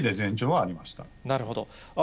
なるほど。